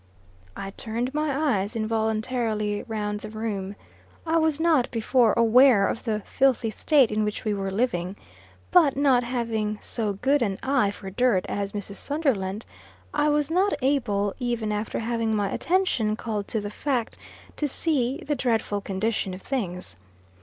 I turned my eyes, involuntarily, around the room. I was not, before, aware of the filthy state in which we were living. But not having so good "an eye for dirt" as Mrs. Sunderland, I was not able, even after having my attention called to the fact, to see "the dreadful condition" of things.